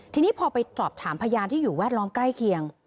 ทีนี้พอไปสอบถามพยานที่อยู่แวดล้อมใกล้เคียง